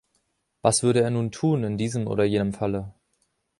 Was würde er nun tun in diesem oder jenem Falle?